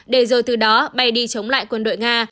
để rồi từ đó bay đi chống lại quân đội nga